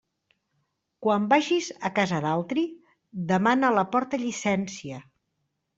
Quan vagis a casa d'altri, demana a la porta llicència.